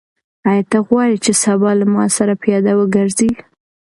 آیا ته غواړې چې سبا له ما سره پیاده وګرځې؟